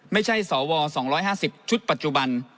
ไม่ใช่สว๒๕๐ชุดปัจจุบัน